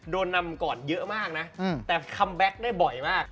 โดนนำก่อนเยอะมากนะแต่คัมแบ็คได้บ่อยมาก